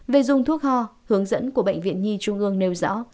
về dùng thuốc ho hướng dẫn của bệnh viện nhi trung ương nêu rõ